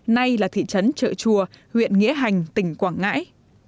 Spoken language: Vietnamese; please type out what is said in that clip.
nay là thị trấn trợ chùa huyện nghĩa hành tỉnh quảng ngãi